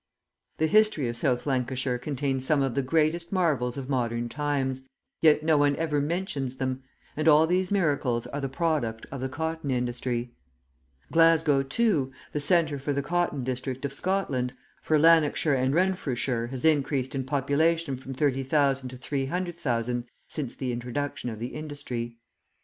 The history of South Lancashire contains some of the greatest marvels of modern times, yet no one ever mentions them, and all these miracles are the product of the cotton industry. Glasgow, too, the centre for the cotton district of Scotland, for Lanarkshire and Renfrewshire, has increased in population from 30,000 to 300,000 since the introduction of the industry.